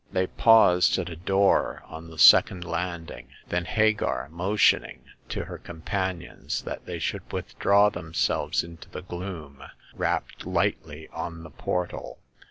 They paused at a door on the second landing. Then Hagar, motioning to her companions that they should withdraw themselves into the gloom, rapped lightly on the portal.